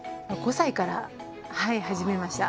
５歳からはい始めました。